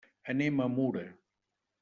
Anem a Mura.